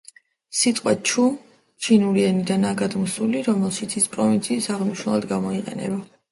სიტყვა ჩუ ჩინური ენიდანაა გადმოსული, რომელშიც ის პროვინციის აღმნიშვნელად გამოიყენება.